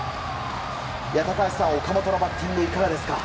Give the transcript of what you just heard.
高橋選手、岡本のバッティングいかがですか？